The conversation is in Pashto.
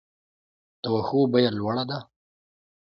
د واښو بیه لوړه ده؟